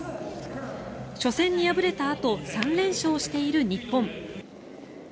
初戦に敗れたあと３連勝している日本。